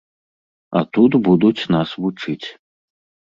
А тут будуць нас вучыць.